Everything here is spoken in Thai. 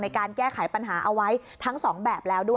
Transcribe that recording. ในการแก้ไขปัญหาเอาไว้ทั้ง๒แบบแล้ว